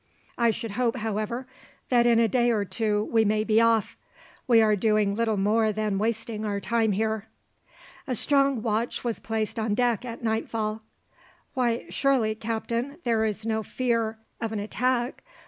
I should hope, however, that in a day or two we may be off. We are doing little more than wasting our time here." A strong watch was placed on deck at nightfall. "Why, surely, captain, there is no fear of an attack!